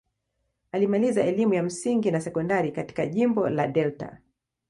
Alimaliza elimu ya msingi na sekondari katika jimbo la Delta.